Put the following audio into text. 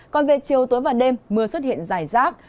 còn về chiều tối và đêm mưa xuất hiện dài rác